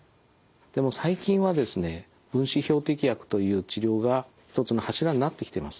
でも最近はですね分子標的薬という治療が１つの柱になってきてます。